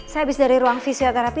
saya habis dari ruang fisioterapi